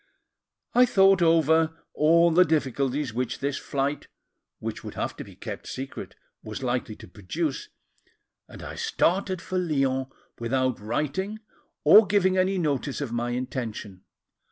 I thought over all the difficulties which this flight, which would have to be kept secret, was likely to produce, and I started for Lyons without writing or giving any notice of my intention.